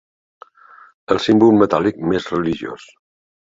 El símbol metàl·lic més religiós.